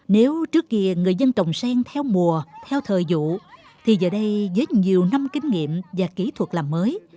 nếu trước kia người dân trồng sen theo mùa theo thời dụ thì giờ đây với nhiều năm kinh nghiệm và kỹ thuật làm mới